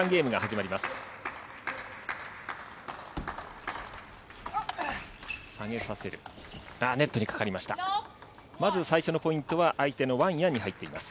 まず最初のポイントは、相手のワン・ヤンに入っています。